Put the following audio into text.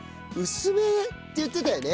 薄めって言ってたよね。